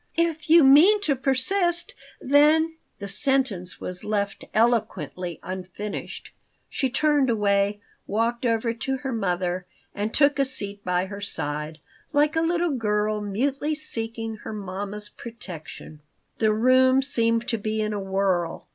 If you mean to persist, then " The sentence was left eloquently unfinished. She turned away, walked over to her mother and took a seat by her side, like a little girl mutely seeking her mamma's protection The room seemed to be in a whirl.